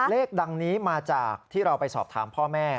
เลขดังนี้มาจากที่เราไปสอบถามพ่อแม่